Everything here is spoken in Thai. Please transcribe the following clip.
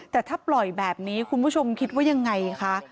แต่ถ้าปล่อยแบบนี้คุณผู้ชมคิดว่ายังไงคะ